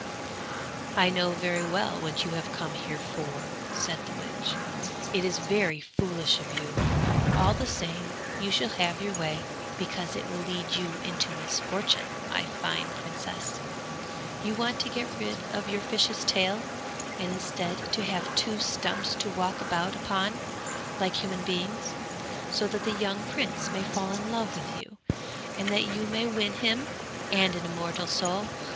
'I know very well what you have come here for,' said the witch. 'It is very foolish of you! all the same you shall have your way, because it will lead you into misfortune, my fine princess. You want to get rid of your fish's tail, and instead to have two stumps to walk about upon like human beings, so that the young prince may fall in love with you, and that you may win him and an immortal soul.'